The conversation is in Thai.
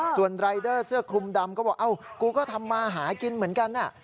ส่วนรายเดอร์เสื้อคลุมดำก็บอกเอ้ากูก็ทำมาหากินเหมือนกัน